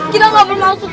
kita gak boleh masuk